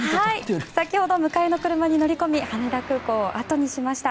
先ほど迎えの車に乗り込み羽田空港を後にしました。